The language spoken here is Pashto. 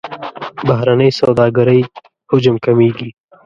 بهرنۍ سوداګرۍ حجم کمیږي.